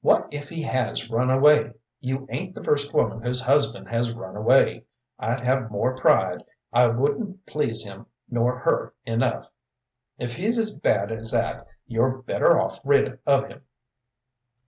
What if he has run away? You ain't the first woman whose husband has run away. I'd have more pride. I wouldn't please him nor her enough. If he's as bad as that, you're better off rid of him."